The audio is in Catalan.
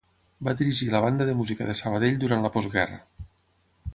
Va dirigir la Banda de Música de Sabadell durant la postguerra.